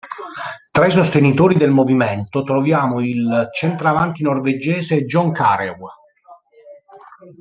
Tra i sostenitori del movimento, troviamo il centravanti norvegese John Carew.